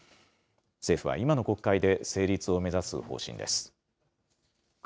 政府は今の国会で成立を目指す方針です。